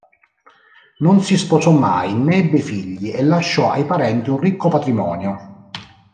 Non si sposò mai, né ebbe figli e lasciò ai parenti un ricco patrimonio.